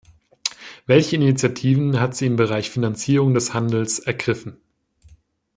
Welche Initiativen hat sie im Bereich Finanzierung des Handels ergriffen?